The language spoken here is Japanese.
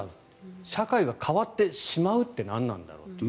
社会が変わってしまうって何なんだろうと。